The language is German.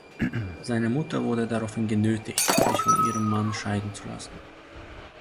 Seine Mutter wurde daraufhin genötigt, sich von ihrem Mann scheiden zu lassen.